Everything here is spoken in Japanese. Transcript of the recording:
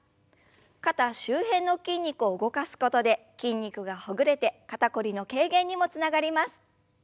肩周辺の筋肉を動かすことで筋肉がほぐれて肩こりの軽減にもつながります。